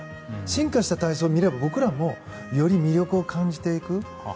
進化した体操を見れば僕らもより魅力を感じていく。